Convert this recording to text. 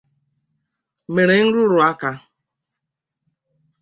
mere nrụrụ aka